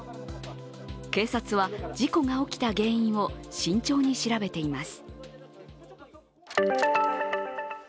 警察は事故が起きた原因を慎重に調べています。